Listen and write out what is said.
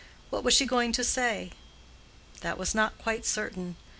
What was she going to say? That was not quite certain.